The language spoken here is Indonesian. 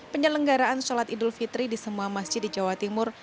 penyelenggaraan sholat idul fitri di semua masjid di jawa timur